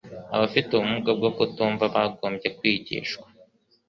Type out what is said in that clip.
abafite ubumuga bwo kutumva bagombye kwigishwa